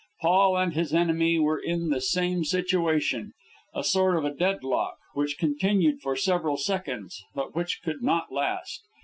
Paul and his enemy were in the same situation a sort of deadlock, which continued for several seconds, but which could not last.